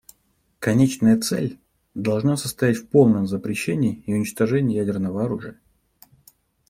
Конечная цель должна состоять в полном запрещении и уничтожении ядерного оружия.